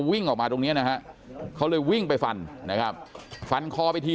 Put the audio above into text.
วิ่งออกมาตรงเนี้ยนะฮะเขาเลยวิ่งไปฟันนะครับฟันคอไปที